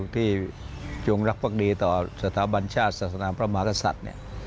ที่จงรักภักดีต่อสถาบันชาติศาสนาพระมหากษัตริย์